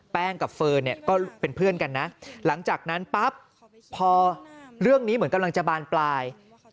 กับเฟิร์นเนี่ยก็เป็นเพื่อนกันนะหลังจากนั้นปั๊บพอเรื่องนี้เหมือนกำลังจะบานปลาย